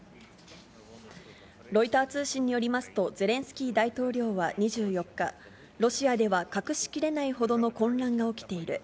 ロイター通信によりますと、ゼレンスキー大統領は２４日、ロシアでは隠しきれないほどの混乱が起きている。